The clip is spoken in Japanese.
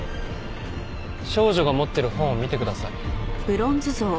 少女が持ってる本を見てください。